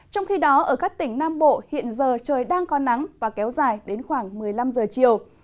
trong khi đó ở các tỉnh nam bộ hiện giờ trời đang có nắng và kéo dài đến khoảng một mươi năm giờ chiều